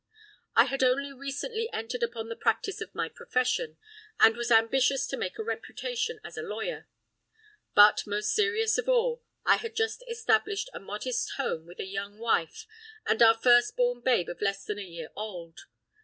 I had only recently entered upon the practice of my profession, and was ambitious to make a reputation as a lawyer. But, most serious of all, I had just established a modest home with a young wife and our first born babe of less than a year old.